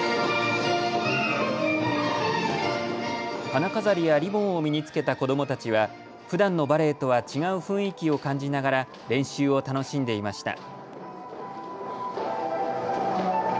花飾りやリボンを身に着けた子どもたちはふだんのバレエとは違う雰囲気を感じながら練習を楽しんでいました。